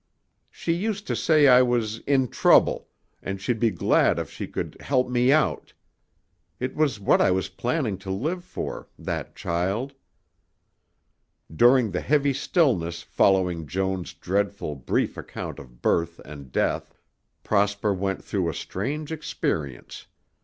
She used to say I was 'in trouble' and she'd be glad if she could 'help me out.'... It was what I was planning to live for ... that child." During the heavy stillness following Joan's dreadful, brief account of birth and death, Prosper went through a strange experience.